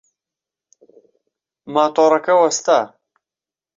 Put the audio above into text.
ماتۆڕەکە وەستا.